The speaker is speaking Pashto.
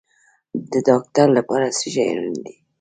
د ډاکټر لپاره څه شی اړین دی؟